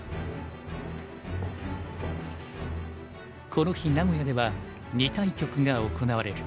この日名古屋では２対局が行われる。